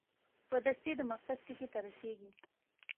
په دستي د مقصد ټکي ته رسېږي.